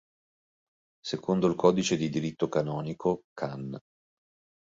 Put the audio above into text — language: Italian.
Secondo il Codice di Diritto Canonico, cann.